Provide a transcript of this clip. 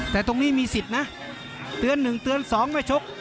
แต่ตรงนี้มีสิทธิ์นะเตือน๑เตือน๒ไม่ชก